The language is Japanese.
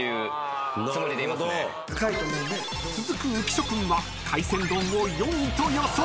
［続く浮所君は海鮮丼を４位と予想］